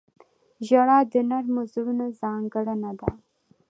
• ژړا د نرمو زړونو ځانګړنه ده.